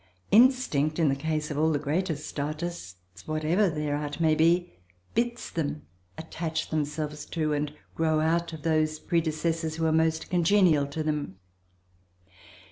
Instinct in the case of all the greatest artists, whatever their art may be, bids them attach themselves to, and grow out of those predecessors who are most congenial to them.